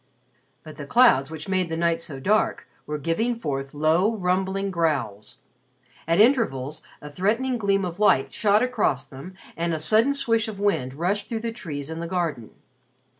But the clouds which made the night so dark were giving forth low rumbling growls. At intervals a threatening gleam of light shot across them and a sudden swish of wind rushed through the trees in the garden.